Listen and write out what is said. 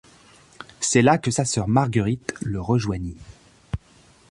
C'est là que sa sœur Marguerite le rejoignit.